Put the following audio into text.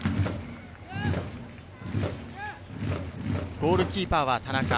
ゴールキーパーは田中。